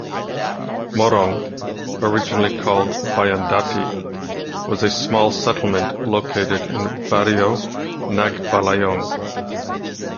Morong, originally called "Bayandati", was a small settlement located in Barrio Nagbalayong.